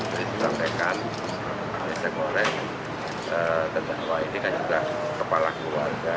saya sampaikan saya mengalami terdakwa ini kan juga kepala keluarga